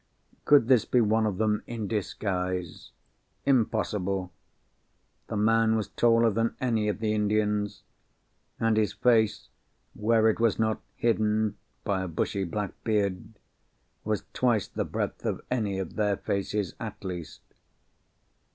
Could this be one of them in disguise? Impossible! The man was taller than any of the Indians; and his face, where it was not hidden by a bushy black beard, was twice the breadth of any of their faces at least.